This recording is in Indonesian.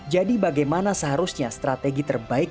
jadi bagaimana seharusnya strategi terbaik